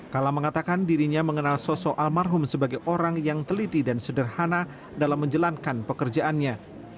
kala mengatakan dirinya mengenal sosok almarhum sebagai orang yang teliti dan sederhana dalam menjalankan pekerjaannya